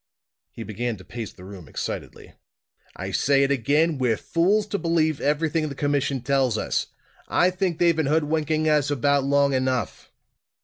He began to pace the room excitedly. "I say it again, we're fools to believe everything the commission tells us. I think they've been hoodwinking us about long enough!"